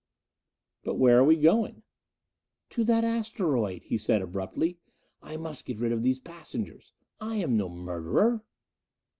"But where are we going?" "To that asteroid," he said abruptly. "I must get rid of these passengers. I am no murderer."